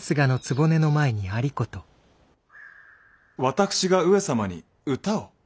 私が上様に歌を？